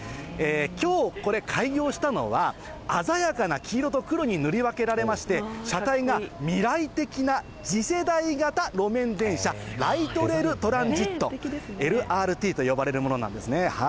きょう、これ、開業したのは、鮮やかな黄色と黒に塗り分けられまして、車体が未来的な次世代型路面電車、ライトレールトランジット・ＬＲＴと呼ばれるものなんですね。